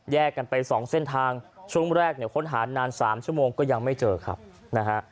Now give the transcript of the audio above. กันไปสองเส้นทางช่วงแรกเนี่ยค้นหานาน๓ชั่วโมงก็ยังไม่เจอครับนะฮะ